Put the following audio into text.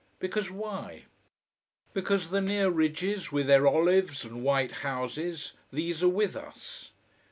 Because why? Because the near ridges, with their olives and white houses, these are with us.